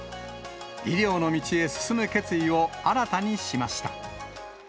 医療の道へ進む決意を新たにしました。